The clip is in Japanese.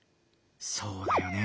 そうだよね。